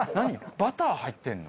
バター入ってんの？